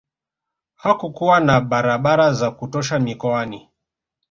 hakukuwa na barabara za kutosha mikoani